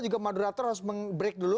juga moderator harus membreak dulu